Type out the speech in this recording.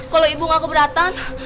kalau ibu gak keberatan